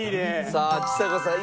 さあちさ子さん